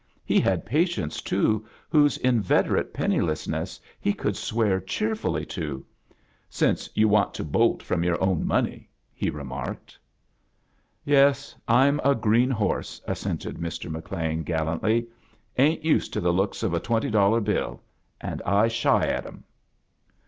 I& had patieats» toor whose htveterate penniless ness he could swear cheerfully to — "since you want to bolt from yotir own money,*' he remarked. "Yes, Fm a green horse," assented Mr. McLean, gallantly; "ain't used to the looks of a twenty dollar bill, and I shy at 'em."